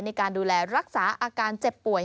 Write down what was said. ในการดูแลรักษาอาการเจ็บป่วย